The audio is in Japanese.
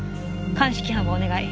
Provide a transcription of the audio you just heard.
鑑識班をお願い。